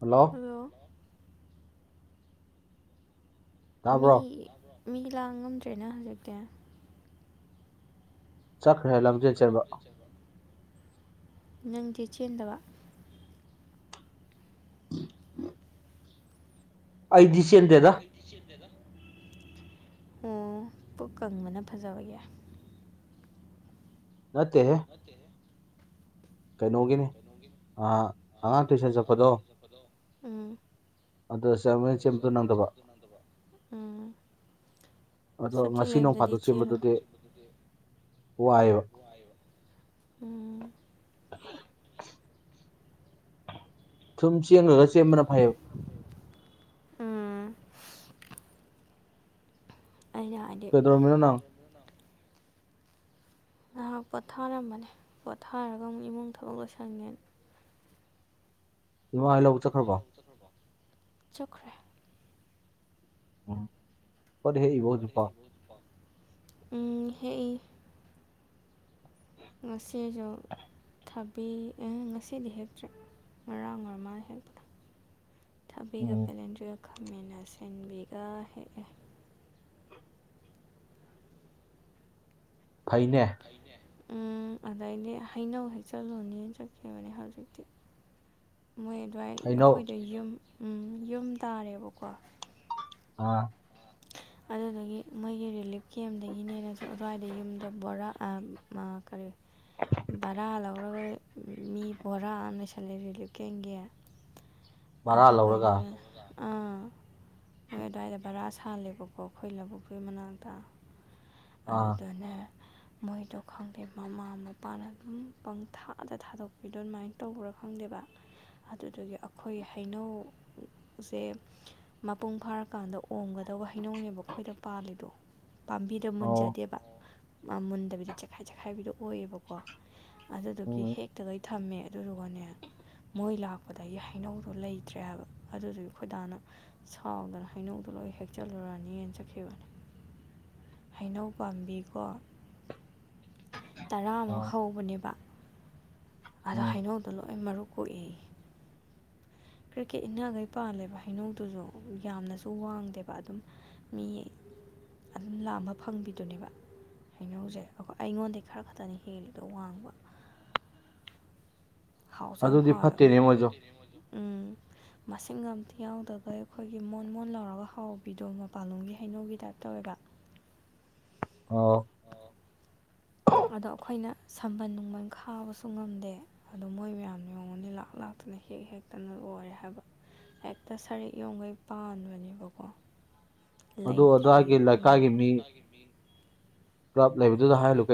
Hello hello ꯃꯤ ꯇꯥꯕ꯭ꯔꯣ ꯃꯤ ꯂꯥꯡꯉꯝꯗ꯭ꯔꯦꯅ ꯍꯧꯖꯤꯛꯇꯤ ꯆꯠꯈ꯭ꯔꯦ ꯂꯝꯖꯦꯜ ꯆꯦꯟꯕ ꯅꯪꯗꯤ ꯆꯦꯟꯗꯕ [unintelligible] ꯑꯩꯗꯤ ꯆꯦꯟꯗꯦ ꯑꯣ ꯄꯨꯛ ꯀꯪꯕꯅ ꯐꯖꯕꯒꯤ ꯅꯠꯇꯦꯍꯦ ꯅꯠꯇꯦꯍꯦ ꯀꯩꯅꯣꯒꯤꯅꯤ ꯑ ꯑꯉꯥꯡ ꯇꯨꯏꯁꯟ ꯆꯠꯄꯗꯣ ꯎꯝ ꯑꯗ [unintelligible] ꯆꯦꯟꯕꯗꯣ ꯅꯪꯗꯕ ꯎꯝ ꯑꯗꯣ ꯁꯨꯇꯤ ꯉꯁꯤ ꯅꯣꯡ ꯂꯩꯕꯗꯗꯤ ꯐꯥꯗꯣꯛ ꯆꯦꯜꯂꯣ ꯆꯦꯟꯕꯗꯨꯗꯤ ꯋꯥꯏꯌꯦꯕ ꯋꯥꯏꯕ ꯁꯨꯝ ꯆꯦꯟꯒꯔ꯭ꯒ ꯆꯦꯟꯕꯅ ꯐꯩꯌꯦ ꯎꯝ ꯑꯩꯅ ꯍꯥꯏ ꯀꯩꯗꯧꯔꯝꯃꯤꯅꯣ ꯅꯪ ꯅꯍꯥꯛ ꯄꯣꯊꯥꯔꯝꯕꯅꯦ ꯄꯣꯊꯥꯔꯒ [unintelligible] ꯏꯃꯨꯡ ꯊꯕꯛ ꯂꯣꯏꯁꯟꯒꯦꯅ ꯏꯃ‌ꯥꯍꯣꯏ ꯂꯧꯕꯨꯛ ꯆꯠꯈ꯭ꯔꯕꯣ ꯆꯠꯈ꯭ꯔꯦ ꯑꯣ ꯎꯝ ꯍꯦꯛꯏ ꯉꯁꯤꯖꯨ ꯄꯤ ꯉꯁꯤꯗꯤ ꯍꯦꯛꯇ꯭ꯔꯦ ꯉꯔꯥꯡ ꯑꯣꯏꯔꯃꯅꯦ ꯍꯦꯛꯄ ꯊꯥꯕꯤꯒ ꯎꯝ ꯕꯦꯂꯦꯟꯗꯔ꯭ꯤꯒ ꯈꯥꯃꯦꯟ ꯑꯁꯤꯟꯕꯤꯒ ꯍꯦꯛꯑꯦ ꯐꯩꯅꯦ ꯎꯝ ꯑꯗꯩꯗꯤ ꯍꯩꯅꯧ ꯍꯦꯛ ꯆꯠꯂꯨꯅꯦꯅ ꯆꯠꯈꯤꯕꯅꯦ ꯍꯧꯖꯤꯛꯇꯤ ꯃꯣꯏ ꯑꯗꯨꯋꯥꯏ ꯍꯩꯅꯧ ꯑꯩꯈꯣꯏꯗ ꯌꯨꯝ ꯎꯝ ꯌꯨꯝ ꯇꯥꯔꯦꯕꯀꯣ ꯑ ꯑꯗꯨꯗꯨꯒꯤ ꯃꯣꯏꯒꯤ ꯔꯤꯂꯤꯞ ꯀꯦꯝꯗꯒꯤꯅꯦꯅꯁꯨ ꯑꯗꯨ꯭ꯋꯥꯏꯗ ꯌꯨꯝꯗ ꯕꯣꯔꯥ ꯑ ꯎꯝ ꯀꯔꯤ ꯕꯔꯥ ꯂꯧꯔꯒ ꯃꯤ ꯕꯣꯔꯥ ꯑꯃ ꯂꯩꯁꯜꯂꯦ ꯔꯤꯂꯤꯞ ꯀꯦꯝꯒꯤ ꯕꯔꯥ ꯂꯧꯔꯒ ꯑꯗꯨꯒꯩꯗꯨꯅ ꯑꯥ ꯃꯣꯏ ꯑꯗꯨꯋꯥꯏꯗ ꯕꯔꯥ ꯁꯥꯜꯂꯦꯕꯀꯣ ꯑꯩꯈꯣꯏ ꯂꯧꯕꯨꯛꯀꯤ ꯃꯅꯥꯛꯇ ꯑꯥ ꯑꯗꯨꯗꯅꯦ ꯃꯣꯏꯗꯣ ꯈꯪꯗꯦ ꯃꯃꯥ ꯃꯄꯥꯅ ꯑꯗꯨꯝ ꯄꯪꯊꯥꯗ ꯊꯥꯗꯣꯛꯄꯤꯗꯣ ꯑꯗꯨꯃꯥꯏꯅ ꯇꯧꯕ꯭ꯔꯥ ꯈꯪꯗꯦꯕ ꯑꯗꯨꯗꯨꯒꯤ ꯑꯩꯈꯣꯏ ꯍꯩꯅꯧ ꯎꯁꯦ ꯃꯄꯨꯡ ꯐꯥꯔꯀꯥꯟꯗ ꯑꯣꯝꯒꯗꯧꯕ ꯍꯩꯅꯧꯅꯦꯕ ꯑꯈꯣꯏꯗ ꯄꯥꯜꯂꯤꯗꯣ ꯄꯥꯝꯕꯤ ꯑꯣ ꯃꯨꯟꯖꯗꯦꯕ ꯃꯨꯟꯗꯕꯤꯗ ꯆꯦꯈꯥꯏ ꯆꯦꯈꯥꯏꯕꯤꯗꯣ ꯑꯣꯏꯌꯦꯕꯀꯣ ꯑꯗꯨꯗꯨꯒꯤ ꯎꯝ ꯍꯦꯛꯀꯗꯣꯏ ꯊꯝꯃꯦ ꯑꯗꯨꯗꯨꯒꯅꯦ ꯃꯣꯏ ꯂꯥꯛꯄꯗꯩꯩ ꯍꯩꯅꯧꯗꯣ ꯂꯩꯇ꯭ꯔꯦ ꯍꯥꯏꯕ ꯑꯗꯨꯗꯨꯒꯤ ꯈꯣꯏꯗꯥꯅ ꯁꯥꯎꯗꯅ ꯍꯩꯅꯧꯗꯨ ꯂꯣꯏ ꯍꯦꯛꯆꯜꯂꯨꯔꯅꯤꯅ ꯆꯠꯈꯤꯕ ꯍꯩꯅꯧ ꯄꯥꯝꯕꯤꯀꯣ ꯇꯔꯥꯃꯨꯛ ꯑꯥ ꯍꯧꯕꯅꯦꯕ ꯑꯗꯣ ꯎꯝ ꯍꯩꯅꯧꯗꯣ ꯂꯣꯏ ꯃꯔꯨ ꯀꯣꯛꯑꯦꯌꯦ ꯀ꯭ꯔꯤꯛ ꯀꯔ꯭ꯤꯛ ꯏꯅꯥꯒꯩ ꯄꯥꯜꯂꯦꯕ ꯍꯩꯅꯧꯗꯨꯨꯁꯨ ꯌꯥꯝꯅꯁꯨ ꯋꯥꯡꯗꯦꯕ ꯑꯗꯨꯝ ꯃꯤ ꯑꯗꯨꯝ ꯂꯥꯝꯕ ꯐꯪꯕꯤꯗꯨꯅꯦꯕ ꯍꯩꯅꯧꯖꯦ ꯑꯈꯣ ꯑꯩꯉꯣꯟꯗ ꯈꯔ ꯈꯛꯇꯅꯤ ꯍꯦꯜꯂꯤꯗꯣ ꯋꯥꯡꯕ ꯍꯥꯎꯁꯨ ꯌꯥꯝ ꯑꯗꯨꯗꯤ ꯍꯥꯎꯋꯦ ꯐꯠꯇꯦꯅꯦ ꯃꯣꯏꯁꯨ ꯎꯝ ꯃꯁꯤꯡꯒ ꯑꯝꯇ ꯌꯥꯎꯗꯒꯩ ꯑꯩꯈꯣꯏꯒꯤ ꯃꯣꯟ ꯃꯣꯟ ꯂꯥꯎꯔꯒ ꯍꯥꯎꯕꯤꯗꯣ ꯍꯥꯎꯕꯤꯗꯣ ꯃꯄꯥꯟꯂꯣꯝꯒꯤ ꯍꯩꯅꯧꯒꯤ ꯇꯥꯏꯞ ꯇꯧꯋꯦꯕ ꯑꯧ ꯑꯗꯣ ꯑꯩꯈꯣꯏꯅ ꯁꯝꯕꯜ ꯅꯨꯡꯕꯟ ꯈꯥꯕꯁꯨ ꯉꯝꯗꯦ ꯑꯗꯨ ꯃꯣꯏ ꯃꯌꯥꯝ ꯌꯦꯡꯉꯨꯅꯦ ꯂꯥꯛ ꯂꯥꯛꯇꯅ ꯍꯦꯛ ꯍꯦꯛꯇꯅ ꯂꯣꯏꯔꯦ ꯍꯥꯏꯕ ꯍꯦꯛꯇ ꯁꯔꯤꯛ ꯌꯣꯝꯒꯩ ꯄꯥꯟꯕꯅꯦꯕꯀꯣ ꯑꯗꯨ ꯂꯩꯇ꯭ꯔꯦꯌꯦ ꯑꯗꯥꯏꯒꯤ ꯑꯩꯈꯣꯏ ꯃꯥꯅ ꯂꯩꯀꯥꯏꯒꯤ ꯞ [unintelligible] ꯂꯩ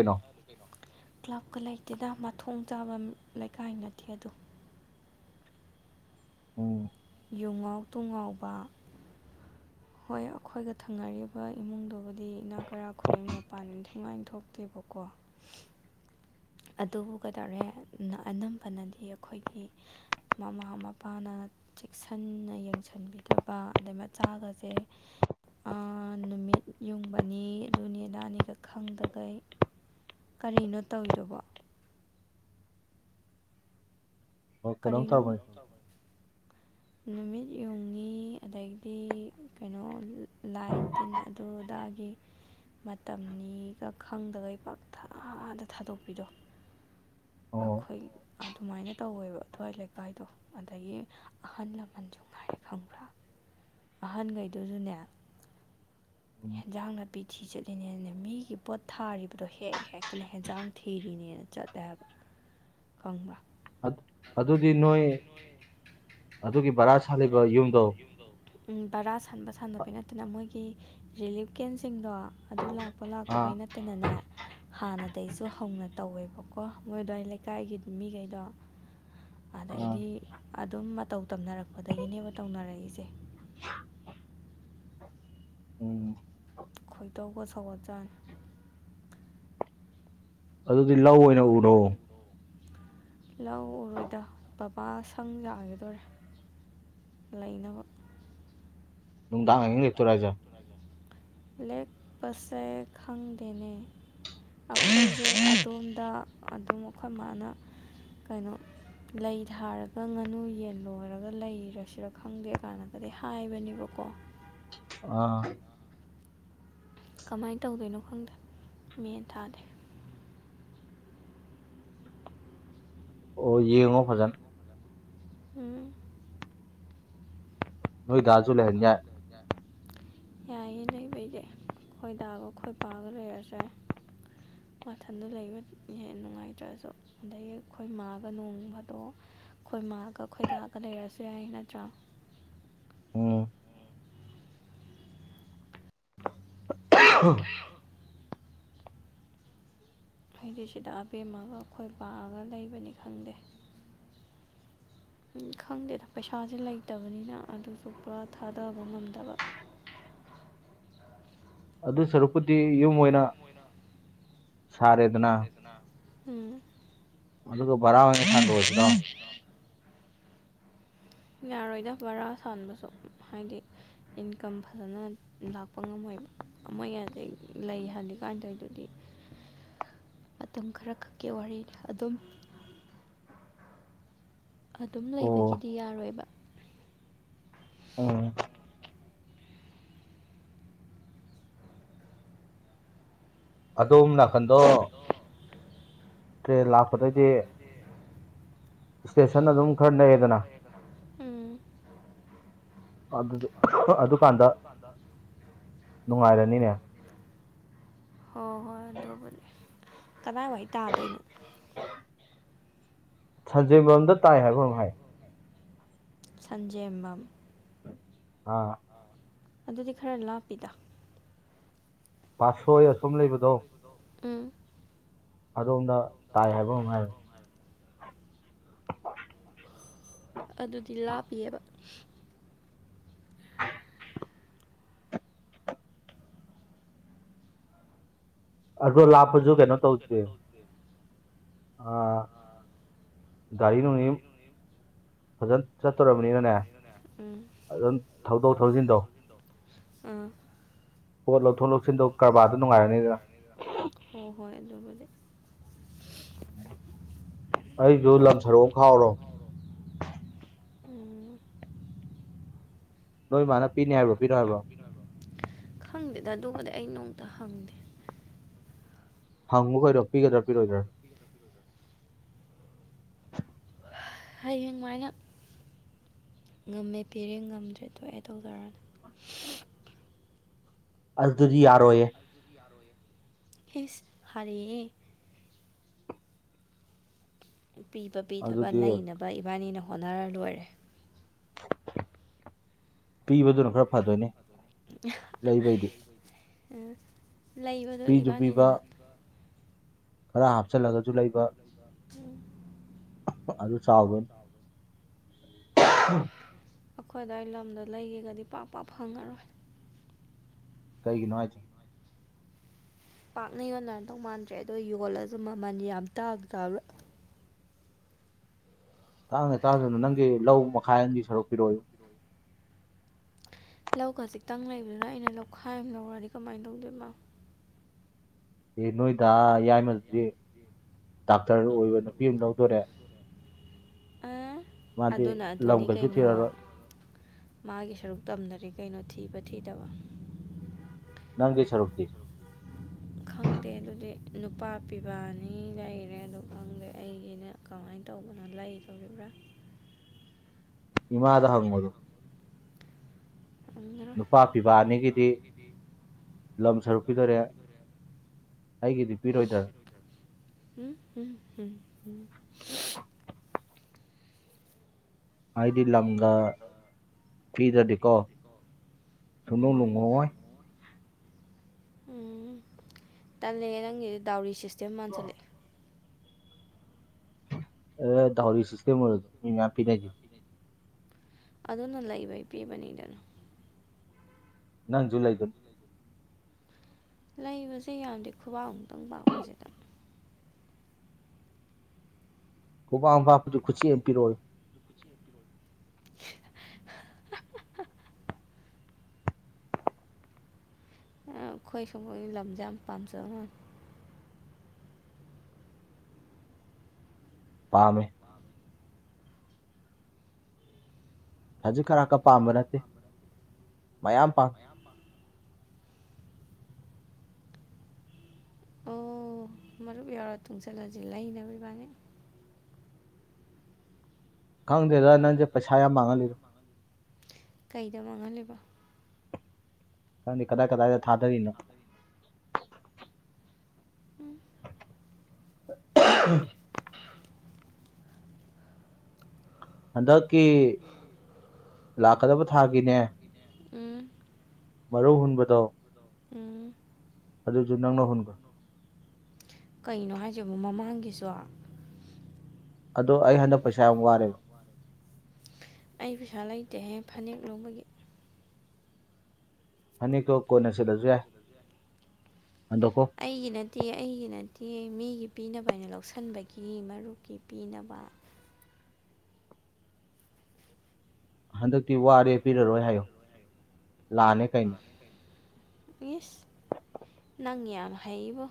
[unintelligible] ꯀ꯭ꯂꯕꯀ ꯂꯩꯇꯦꯗ ꯃꯊꯣꯡ ꯆꯥꯕ ꯂꯩꯀꯥꯏ ꯅꯠꯇꯦ ꯑꯗꯨ ꯎꯝ ꯌꯨꯡꯉꯥꯎ ꯇꯨꯡꯉꯥꯎꯕ ꯍꯣꯏ ꯑꯩꯈꯣꯏꯒ ꯊꯪꯅꯔꯤꯕ ꯏꯃꯨꯡꯗꯨꯕꯨꯗꯤ ꯏꯅꯥ ꯀꯔꯥ ꯈꯨꯂꯦ ꯃꯄꯥꯟ ꯏꯊꯤꯋꯥꯏꯅ ꯊꯣꯛꯇꯦꯕꯀꯣ ꯑꯗꯨꯕꯨ ꯀꯩꯗꯧꯔꯦ ꯑꯅꯝꯕꯅꯗꯤ ꯑꯩꯈꯣꯏꯒꯤ ꯃꯃꯥ ꯃꯄꯥꯅ ꯆꯦꯛꯁꯟꯅ ꯌꯦꯡꯁꯟꯕꯤꯗꯕ ꯑꯗꯩ ꯃꯆꯥꯒꯁꯦ ꯑꯥ ꯅꯨꯃꯤꯠ ꯌꯨꯡꯕꯅꯤ ꯑꯗꯨꯅꯤ ꯑꯗꯥꯅꯤꯒ ꯈꯪꯗꯈꯩ ꯀꯔꯤꯅꯣ ꯇꯧꯔꯤꯗꯨꯕꯣ ꯑꯣ ꯀꯩꯅꯣꯝ ꯀꯔꯤꯅꯣ ꯑꯃꯨꯛ ꯇꯧꯔꯕꯅꯤ ꯅꯨꯃꯤꯠ ꯌꯨꯡꯉꯤ ꯑꯗꯩꯗꯤ ꯀꯩꯅꯣ ꯂꯥꯏ ꯇꯤꯟꯅ ꯑꯗꯨ ꯑꯗꯥꯒꯤ ꯃꯇꯝꯅꯤꯒ ꯈꯪꯗꯒꯩ ꯄꯪꯊꯥꯗ ꯊꯥꯗꯣꯛꯄꯤꯗꯣ ꯑꯣ ꯑꯩꯈꯣꯏ ꯑꯗꯨꯃꯥꯏꯅ ꯇꯧꯋꯦꯕ ꯑꯗꯨ꯭ꯋꯥꯏ ꯂꯩꯀꯥꯏꯗꯣ ꯑꯗꯒꯤ ꯑꯍꯜ ꯂꯃꯟꯁꯨ ꯉꯥꯏꯔꯦ ꯈꯪꯕ꯭ꯔꯥ ꯑꯍꯟꯈꯩꯗꯨꯁꯨꯅꯦ ꯎꯝ ꯌꯦꯟꯖꯥꯡ ꯅꯥꯄꯤ ꯊꯤ ꯆꯠꯂꯤꯅꯦꯅꯅꯦ ꯃꯤꯒꯤ ꯄꯣꯠ ꯊꯥꯔꯤꯕ ꯑꯗꯣ ꯍꯦꯛ ꯍꯦꯛꯇꯅ ꯍꯦꯟꯖꯥꯡ ꯊꯤꯔꯤꯅꯦꯅ ꯆꯠꯂꯦꯕ ꯈꯪꯕ꯭ꯔꯥ ꯑꯗꯨ ꯑꯗꯨꯗꯤ ꯅꯣꯏ ꯑꯗꯨꯒꯤ ꯚꯔꯥ ꯁꯥꯜꯂꯤꯕ ꯌꯨꯝꯗꯣ ꯎꯝ ꯕꯔꯥ ꯁꯥꯟꯕ ꯁꯥꯟꯗꯕꯩ ꯅꯠꯇꯅ ꯃꯣꯏꯒꯤ ꯔꯤꯂꯤꯞ ꯀꯦꯝꯁꯤꯡꯗꯣ ꯑꯗꯨ ꯂꯥꯛꯄ ꯂꯥꯛꯇꯕꯩ ꯑꯥ ꯅꯠꯇꯅꯅꯦ ꯍꯥꯟꯅꯗꯩꯩꯁꯨ ꯍꯧꯅ ꯇꯧꯋꯦꯕꯀꯣ ꯃꯣꯏ ꯗ꯭ꯋꯥꯏ ꯂꯩꯀꯥꯏꯒꯤ ꯃꯤꯈꯩꯗꯣ ꯑꯥ ꯑꯗꯩꯗꯤ ꯑꯗꯨꯝ ꯃꯇꯧ ꯇꯝꯅꯔꯛꯄꯗꯒꯤꯅꯦꯕ ꯇꯧꯅꯔꯛꯏꯁꯦ ꯎꯝ ꯈꯣꯏꯗꯧꯒ ꯁꯧꯒꯠ ꯆꯥꯅꯤ ꯑꯗꯨꯗꯤ ꯂꯧ ꯑꯣꯏꯅ ꯎꯔꯣ ꯂꯧ ꯎꯔꯣꯏꯗ ꯕꯕꯥ ꯁꯪ ꯁꯥꯒꯤꯗꯣꯔꯦ ꯂꯩꯅꯕ ꯅꯨꯡꯗꯥꯡ ꯑꯍꯤꯡ ꯂꯩꯛꯇꯣꯏꯔꯥ ꯍꯥꯏꯖꯦ ꯂꯦꯛ ꯄꯁꯦ ꯈꯪꯗꯦꯅꯦ ꯑꯩꯈꯣꯏꯁꯦ ꯑꯗꯣꯝꯗ ꯑꯗꯨꯝ ꯑꯩꯈꯣꯏ ꯃꯥꯅ ꯀꯩꯅꯣ ꯂꯩ ꯊꯥꯔꯒ ꯉꯥꯅꯨ ꯌꯦꯟ ꯂꯣꯏꯔꯒ ꯂꯩꯔꯁꯤꯔ ꯈꯪꯗꯦ ꯀꯥꯟꯅꯒꯗꯤ ꯍꯥꯏꯕꯅꯦꯕꯀꯣ ꯑ ꯀꯃꯥꯏꯅ ꯇꯧꯗꯣꯏꯅꯣ ꯈꯪꯗꯦ ꯃꯦꯟ ꯇꯥꯗꯦ ꯑꯣ ꯌꯦꯡꯉꯣ ꯐꯖꯅ ꯎꯝ ꯅꯣꯏ ꯗꯥꯖꯨ ꯂꯩꯍꯟ ꯌꯥꯏ ꯌꯥꯏꯌꯦ ꯂꯩꯕꯩꯗꯤ ꯈꯣꯏꯗꯥꯒ ꯈꯣꯏꯄꯥꯒ ꯂꯩꯔꯁꯨ ꯌꯥꯏ꯫ ꯃꯊꯟꯗ ꯂꯩꯕ ꯍꯦꯟꯅ ꯅꯨꯡꯉꯥꯏꯇ꯭ꯔꯁꯨ꯫ ꯑꯗꯒꯤ ꯈꯣꯏ ꯃꯥꯒ ꯅꯣꯡꯕꯗꯣ ꯈꯣꯏ ꯃꯥꯒ ꯈꯣꯏꯗꯥꯒ ꯂꯩꯔꯁꯨ ꯌꯥꯏ ꯅꯠꯇ꯭ꯔꯥ? ꯎꯝ ꯎ ꯑꯩꯗꯤ ꯁꯤꯗ ꯑꯕꯦꯝꯃꯒ ꯑꯩꯈꯣꯏ ꯕꯥꯒ ꯂꯩꯕꯅꯤ ꯈꯪꯗꯦ꯫ ꯎꯝ ꯈꯪꯗꯦꯗ ꯄꯩꯁꯥꯁꯦ ꯂꯩꯇꯕꯅꯤꯅ ꯑꯗꯨꯁꯨ ꯄꯨꯔꯥ ꯊꯥꯗꯕ ꯉꯝꯗꯕ ꯑꯗꯨ ꯁꯔꯨꯛꯄꯨꯗꯤ ꯌꯨꯝ ꯑꯣꯏꯅ ꯁꯥꯔꯦꯗꯅ ꯎꯝ ꯑꯗꯨꯒ ꯚꯔꯥ ꯑꯣꯏꯅ ꯁꯥꯟꯗꯣꯛ ꯑꯁꯤꯔꯣ ꯌꯥꯔꯣꯏꯗ ꯕꯔꯥ ꯁꯥꯟꯕꯁꯨ ꯍꯥꯏꯗꯤ ꯏꯟꯀꯝ ꯐꯖꯅ ꯂꯥꯛꯄ ꯉꯝꯃꯣꯏꯕ꯫ ꯑꯃ ꯌꯥꯗꯦ ꯂꯩ ꯍꯜꯂꯤꯀꯥꯟ ꯇꯧꯋꯤꯗꯨꯗꯤ ꯃꯇꯝ ꯈꯔ ꯈꯛꯀꯤ ꯋꯥꯔꯤꯅꯤ ꯑꯗꯨꯝ ꯑꯗꯨꯝ ꯑꯣ ꯂꯩꯕꯒꯤꯗꯤ ꯌꯥꯔꯣꯏꯕ ꯑꯣ ꯑꯗꯣꯝ ꯅꯥꯀꯟꯗꯣ ꯇ꯭ꯔꯦꯟ ꯂꯥꯛꯄꯗꯩꯗꯤ ꯏꯁꯇꯦꯁꯟ ꯑꯗꯨꯝ ꯈꯔ ꯅꯛꯑꯦꯗꯅ ꯎꯝ ꯑꯗꯨꯗꯨ ꯑꯗꯨꯀꯥꯟꯗ [unintelligible] ꯅꯨꯡꯉꯥꯏꯔꯅꯤꯅꯦ ꯍꯣ ꯍꯣꯏ ꯑꯗꯨꯕꯨꯗꯤ ꯀꯗꯥꯏꯋꯥꯏ ꯇꯥꯗꯣꯏꯅꯣ꯫ ꯁꯟꯖꯦꯟꯕꯝꯗ ꯇꯥꯏ ꯍꯥꯏꯕ ꯀꯩꯅꯣꯝ ꯍꯥꯏ ꯁꯟꯖꯦꯝꯕꯝ ꯑ ꯑꯗꯨꯗꯤ ꯈꯔ ꯂꯥꯞꯄꯤꯗ꯫ ꯄꯥꯠꯁꯣꯏ ꯑꯁꯣꯝ ꯂꯩꯕꯗꯣ꯫ ꯎꯝ ꯑꯗꯣꯝꯗ ꯇꯥꯏ ꯍꯥꯏꯕ ꯀꯩꯅꯣꯝ ꯍꯥꯏꯕꯅꯦ꯫ ꯑꯗꯨꯗꯤ ꯂꯥꯞꯄꯤꯌꯦꯕ ꯑꯗꯣ ꯂꯥꯞꯄꯁꯨ ꯀꯩꯅꯣ ꯇꯧꯏꯗꯨꯗꯤ ꯑꯥ ꯒꯥꯔꯤ ꯅꯨꯡꯅꯤ ꯐꯖꯅ ꯆꯠꯇꯣꯔꯕꯅꯤꯅꯅꯦ ꯎꯝ ꯑꯗꯨꯝ ꯊꯧꯗꯣꯛ ꯊꯧꯖꯤꯟꯗꯣ ꯑꯥ ꯄꯣꯠ ꯂꯧꯊꯣꯛ ꯂꯧꯁꯤꯟꯗꯣ ꯀꯔꯕꯥꯔꯗꯣ ꯅꯨꯡꯉꯥꯏꯔꯅꯤꯗꯅ ꯍꯣ ꯍꯣꯏ ꯑꯗꯨꯕꯨꯗꯤ ꯑꯩꯖꯨ ꯂꯝ ꯁꯔꯨꯛ ꯑꯃ ꯈꯥꯛꯍꯧꯔꯣ ꯎꯝ ꯅꯣꯏ ꯃꯥꯅ ꯄꯤꯅꯤ ꯍꯥꯏꯕ꯭ꯔꯣ ꯄꯤꯔꯣꯏ ꯍꯥꯏꯕ꯭ꯔꯣ? ꯈꯪꯗꯦꯗ ꯑꯗꯨꯒꯗꯤ ꯑꯩ ꯅꯣꯡꯇ ꯍꯪꯗꯦ꯫ ꯍꯪꯉꯨ ꯀꯩꯅꯣ ꯄꯤꯒꯗ꯭ꯔ ꯄꯤꯔꯣꯏꯗ꯭ꯔꯥꯅ? ꯍꯌꯦꯡ ꯃꯥꯏꯅ ꯉꯝꯃꯦ ꯄꯤꯔꯦ ꯉꯝꯗ꯭ꯔꯦ ꯊꯣꯛꯑꯦ ꯇꯧꯖꯔꯅꯤ꯫ ꯑꯗꯨꯗꯤ ꯌꯥꯔꯣꯏꯌꯦ ꯏꯁ ꯍꯔꯦ ꯄꯤꯕ ꯄꯤꯗꯕ ꯑꯗꯨꯗꯤ ꯂꯩꯅꯕ ꯏꯕꯥꯅꯤꯅ ꯍꯣꯠꯅꯔꯥ ꯂꯣꯏꯔꯦ ꯄꯤꯕꯗꯨꯅ ꯈꯔꯥ ꯐꯗꯣꯏꯅꯦ ꯂꯩꯕꯩꯗꯤ ꯑꯥ ꯂꯩꯕꯗꯣ ꯄꯤꯁꯨ ꯏꯕꯥꯅꯤꯅ ꯄꯤꯕ ꯂꯩ ꯈꯔ ꯍꯥꯞꯆꯜꯂꯒꯁꯨ ꯂꯩꯕ ꯎꯝ ꯑꯗꯨ ꯆꯥꯎ [unintelligible] [unintelligible] ꯑꯈꯣꯏ ꯑꯗ꯭ꯋꯥꯏ ꯂꯝꯗꯣ ꯂꯩꯒꯦꯒꯥꯗꯤ ꯄꯥꯛ ꯄꯥꯛ ꯐꯪꯉꯔꯣꯏ ꯀꯩꯒꯤꯅꯣ ꯍꯥꯏꯁꯦ ꯄꯥꯛꯅ ꯌꯣꯟꯅꯗꯧ ꯃꯥꯟꯗ꯭ꯔꯦ ꯑꯗꯣ ꯌꯣꯜꯂꯁꯨ ꯃꯥꯃꯟ ꯌꯥꯝ ꯇꯥꯡ ꯇꯥꯡꯅ ꯇꯥꯡꯒꯦ ꯇꯥꯡꯁꯨꯅ ꯅꯪꯒꯤ ꯂꯧ ꯃꯈꯥꯏ ꯑꯃꯥꯒꯤ ꯁꯔꯨꯛꯄꯤꯔꯛ ꯑꯣꯌꯣ ꯂꯧ ꯈꯖꯤꯛꯇꯪ ꯂꯩꯕꯗꯨꯗ ꯑꯩꯅ ꯂꯈꯥꯏ ꯑꯃꯥ ꯂꯧꯔꯗꯤ ꯀꯃꯥꯏꯅ ꯇꯧꯗꯣꯏꯕ ꯑꯦ ꯅꯣꯏ ꯗꯥ ꯌꯥꯏꯃꯗꯨꯗꯤ ꯗꯥꯛꯇꯔ ꯑꯣꯏꯕ ꯅꯨꯄꯤ ꯑꯝ ꯂꯧꯗꯣꯔꯦ ꯑ ꯃꯥꯗꯤ ꯑꯗꯨꯅ ꯂꯝ ꯑꯗꯨꯅꯤ ꯀꯩꯁꯨ ꯀꯩꯅꯣ ꯊꯤꯔꯛꯑꯔꯣꯏ ꯃꯥꯒꯤ ꯁꯔꯨꯛ ꯇꯝꯗ꯭ꯔꯗꯤ ꯀꯩꯅꯣ ꯊꯤꯕ ꯊꯤꯗꯕꯥ ꯅꯪꯒꯤ ꯁꯔꯨꯛꯇꯤ ꯈꯪꯗꯦ ꯑꯗꯨꯗꯤ ꯅꯨꯄꯥ ꯄꯤꯕꯥ ꯑꯅꯤ ꯂꯩꯔꯦ ꯑꯗꯨ ꯈꯪꯗꯦ ꯑꯩꯒꯤꯅ ꯀꯃꯥꯏꯅ ꯇꯧꯕꯅꯣ ꯂꯩꯗꯧꯔꯤꯕ꯭ꯔꯥ ꯏꯃꯗꯥ ꯍꯪꯉꯨꯗꯨ ꯍꯪꯉꯥꯔꫭꯏ ꯅꯨꯄꯥ ꯄꯤꯕ ꯑꯅꯤꯒꯤꯗꯤ ꯂꯝ ꯁꯔꯨꯛ ꯄꯤꯗꫭꯔꯦ ꯑꯩꯒꯤꯗꯤ ꯄꯤꯔꯣꯏꯗꯔꯥ ꯎꯝꯝꯝꯝ [unintelligible] ꯑꯩꯗꯤ ꯂꯝꯒ ꯄꯤꯗ꯭ꯔꯗꯤꯀꯣ ꯁꯨꯡꯅꯨꯡ ꯎꯝ ꯅꯨꯡꯉꯣꯏꯑꫭꯏ ꯎꯝ ꯇꯜꯂꯦ ꯅꯪꯒꯤꯗꯤ ꯗꯥꯎꯔꯤ ꯁꯤꯁꯇꯦꯝ ꯃꯥꯟꯁꯜꯂꯛꯑꯦ ꯑꯗꯨꯅ ꯗꯥꯎꯔꯤ ꯁꯤꯁꯇ‌ꯦꯝ ꯑꫭꯏꯔꯖꯨ ꯃꯤ ꯃꯌꯥꯝ ꯄꯤꯅꯩ ꯑꯗꯨꯅ ꯂꯩꯕꯩ ꯄꯤꯕꯅꯤꯗꯅꯥ ꯅꯪꯖꯨ ꯂꯩꯗꯨꯗꯤ ꯂꯩꯕꯁꯦ ꯌꯥꯝ‌ꯗ‌ꯦ ꯈꯨꯕꯥꯛ ꯑꯃꯨꯛꯇꯪ ꯄꯥꯛꯄꯁꯤꯗꯥ ꯈꯨꯕꯥꯛꯃꯨꯛ ꯄꯥꯛꯄꯗꯨ ꯈꯨꯆ‌ꯦꯞꯃꯨꯛ ꯄꯤꯔꯛꯑꫭꯌꯨ ꯑꯥ ꯑꯩꯈꯣꯏ ꯁꯨꯝꯕꯒꯤ ꯂꯝꯁꯦ ꯌꯥꯝ ꯄꯥꯝꯖꯕ ꯃꯥꯜꯂꯤ ꯄꯥꯝꯃꯦ ꯈꯖꯤꯛ ꯈꯔꯥꯛꯀ ꯄꯥꯝꯕ ꯅꯠꯇꯦ ꯃꯌꯥꯝ ꯄꯥꯝ ꯑꯣ ꯃꯔꯨꯞ ꯌꯥꯎꯔ ꯇꯨꯡꯁꯤꯜꯂꯁꯤ ꯂꯩꯅꯕ ꯏꯕꯥꯅꯤ ꯈꯪꯗꯦꯗ ꯅꯪꯁꯦ ꯄꯩꯁꯥ ꯌꯥꯝ ꯃꯥꯡꯍꯜꯂꯤꯗ ꯀꯩꯗ ꯃꯥꯡꯍꯜꯂꯤꯕꯥ ꯈꯪꯗ‌ꯦ ꯀꯗꯥꯏ ꯀꯗꯥꯏꯗ ꯊꯥꯗꯔꯤꯅꯣ ꯎꯝ [unintelligible] ꯍꯟꯗꯛꯀꯤ ꯂꯥꯛꯀꯗꯕ ꯊꯥꯒꯤꯅꯦ ꯎꯝ ꯃꯔꯨꯞ ꯍꯨꯟꯕꯗꯣ ꯎꯝ ꯑꯗꯨꯁꯨ ꯅꯪꯅꯥ ꯍꯨꯟꯒ꯭ꯔꫭ ꯀꯩꯅꯣ ꯍꯥꯏꯁꯤꯕ ꯃꯃꯥꯡꯒꯤꯁꯨ ꯑꯗꯣ ꯑꯩ ꯍꯟꯗꯛ ꯄꯩꯁꯥ ꯌꯥꯝ ꯋꯥꯔꯦꯕ ꯑꯩ ꯄꯩꯁꯥ ꯂꯩꯇꯦꯍꯦ ꯐꯅꯦꯛ ꯂꯧꯕꯒꯤ ꯐꯅꯦꯛꯇꯣ ꯀꯣꯟꯅ ꯁꯦꯠꯂꯁꯨ ꯌꯥꯏ ꯍꯟꯗꯣꯛꯈꯣ ꯑꯩꯒꯤ ꯅꯠꯇꯤꯌꯦ ꯑꯩꯒꯤ ꯅꯠꯇꯤꯌꯦ ꯃꯤꯒꯤ ꯄꯤꯅꯕꯅ ꯂꯧꯁꯤꯟꯕꯒꯤ ꯃꯔꯨꯞꯀꯤ ꯄꯤꯅꯕ ꯍꯟꯗꯛꯇꯤ ꯋꯥꯔꯦ ꯄꯤꯔꯔꯣꯏ ꯍꯥꯏꯌꯣ ꯂꯥꯟꯅꯦ ꯀꯩꯅꯦ ꯏ꯭ꯁ ꯅꯪ ꯌꯥꯝ ꯍꯩꯕꯨ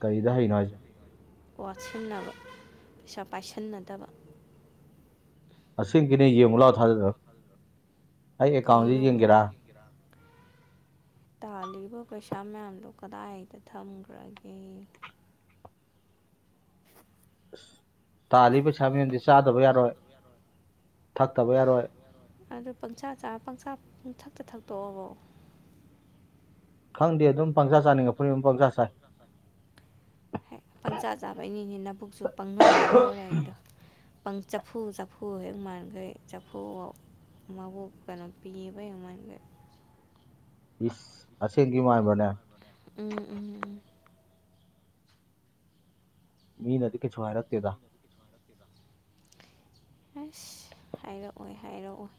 ꯀꯔꯤꯗ ꯍꯩꯅꯣ ꯍꯥꯏꯁꯦ ꯋꯥꯠꯁꯤꯡꯟꯅꯕ ꯄꯩꯁꯥ ꯄꯥꯏꯁꯤꯟꯅꯗꯕ ꯑꯁꯦꯡꯒꯤꯅꯦ ꯌꯦꯡꯉꯨ ꯂꯥꯛꯑꯣ ꯊꯥꯖꯗ꯭ꯔꯒ ꯑꯩ ꯑꯦꯀꯥꯎꯟꯖꯦ ꯀꯩꯅꯣ ꯌꯦꯡꯒꯦꯔꯥ ꯇꯥꯜꯂꯤꯕ ꯄꯩꯁꯥ ꯃꯌꯥꯝꯗꯨ ꯀꯗꯥꯏꯗ ꯊꯝꯈ꯭ꯔꯒꯦ ꯑ꯭ꯁ ꯇꯥꯜꯂꯤꯕ ꯄꯩꯁꯥ ꯃꯌꯥꯝꯁꯦ ꯆꯥꯗꯕ ꯌꯥꯔꯣꯏ ꯊꯛꯇꯕ ꯌꯥꯔꯣꯏ ꯑꯗꯨ ꯄꯪꯆꯥꯥꯔ ꯄꯪꯆꯥꯥ ꯄꯨꯡꯊꯛꯇ ꯊꯛꯇꯣꯛꯕꯣ ꯈꯪꯗꯦ ꯑꯗꯨꯝ ꯄꯪꯖꯥ ꯆꯥꯅꯤꯡꯉꯛꯄꯅꯤꯅ ꯑꯗꯨꯝ ꯄꯪꯆꯥ ꯆꯥꯏ ꯍ [unintelligible] ꯄꯪꯆꯥ ꯆꯥꯕꯩꯅꯤꯅꯦ ꯅꯕꯨꯛꯁꯨ ꯄꯪ ꯅꯣꯏ ꯅꯣꯏꯊꯣꯔꯛꯏꯗꯣ ꯑꯪ ꯆꯐꯨ ꯆꯐꯨ ꯍꯦꯛ ꯃꯥꯟꯥꯡꯈꯩ ꯆꯐꯨ ꯃꯕꯨꯣ [unintelligible] ꯀꯀꯥꯟꯣꯄꯤꯕ [unintelligible] ꯑꯃ [unintelligible] ꯏ꯭ꯁ ꯑꯁꯦꯡꯒꯤ ꯃꯥꯟꯕ꯭ꯔꯥꯅꯦ ꯎꯝ ꯎꯝ ꯃꯤꯅꯗꯤ ꯀꯩꯁꯨ ꯍꯥꯏꯔꯠꯇꯦꯗ ꯑ꯭ꯁ ꯍꯥꯏꯔꯛꯑꯣꯏ ꯍꯥꯏꯔꯛꯑꯣꯏ